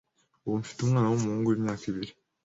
Ubu mfite umwana w’umuhungu w’imyaka ibiri